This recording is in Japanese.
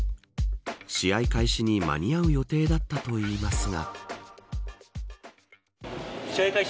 試合開始に間に合う予定だったといいますが。